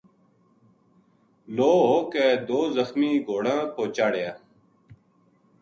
لو ہو کے دو زخمی گھوڑاں پو چاہڑیا